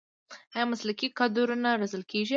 آیا مسلکي کادرونه روزل کیږي؟